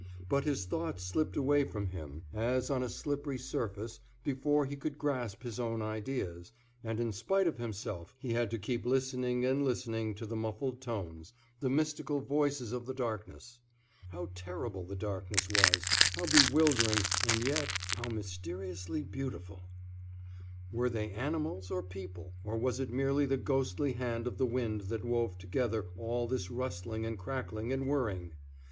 But his thoughts slipped away from him as on a slippery surface before he could grasp his own ideas, and in spite of himself he had to keep listening and listening to the muffled tones, the mystical voices of the darkness. How terrible the darkness was, how bewildering and yet how mysteriously beautiful! Were they animals, or people, or was it merely the ghostly hand of the wind that wove together all this rustling and crackling and whirring?